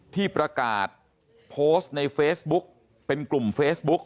ที่ประกาศโพสต์ในเฟซบุ๊กเป็นกลุ่มเฟซบุ๊ก